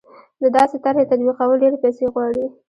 د داسې طرحې تطبیقول ډېرې پیسې غواړي.